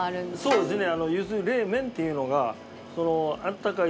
そうですよね。